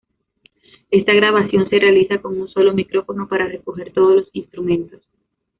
Esta grabación se realiza con un solo micrófono para recoger todos los instrumentos.